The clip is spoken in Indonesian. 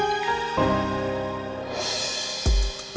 sampai jumpa lagi